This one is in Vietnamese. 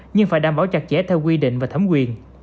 nhưng phải đảm bảo chặt chẽ theo quy định và thẩm quyền